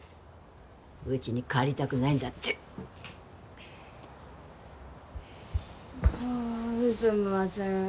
ウチに帰りたくないんだってはあすんません